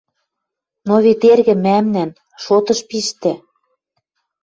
«Но вет эргӹ мӓмнӓн!.. Шотыш пиштӹ.